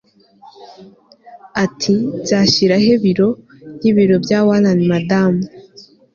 Ati Nzashyira he biro yibiro bya waln madamu